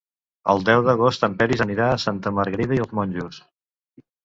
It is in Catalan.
El deu d'agost en Peris anirà a Santa Margarida i els Monjos.